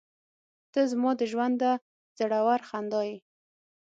• ته زما د ژونده زړور خندا یې.